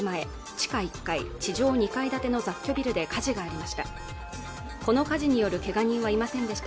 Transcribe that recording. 地上２階建ての雑居ビルで火事がありました